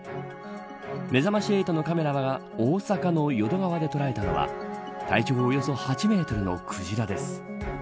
めざまし８のカメラが大阪の淀川で捉えたのは体長およそ８メートルのクジラです。